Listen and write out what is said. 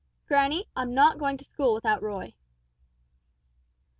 "Granny, I'm not going to school without Roy."